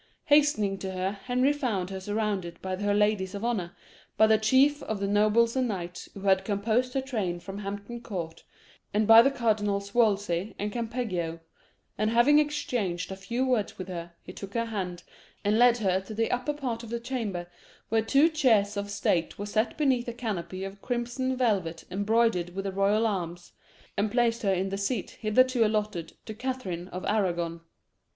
Hastening to her, Henry found her surrounded by her ladies of honour, by the chief of the nobles and knights who had composed her train from Hampton Court, and by the Cardinals Wolsey and Campeggio; and having exchanged a few words with her, he took her hand, and led her to the upper part of the chamber, where two chairs of state were set beneath a canopy of crimson velvet embroidered with the royal arms, and placed her in the seat hitherto allotted to Catherine of Arragon.